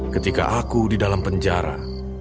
ketika aku di dalam penjara